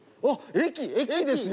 駅ですよ